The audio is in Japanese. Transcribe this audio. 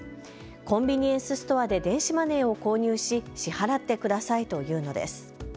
コンビニエンスストアで電子マネーを購入し支払ってくださいと言うのです。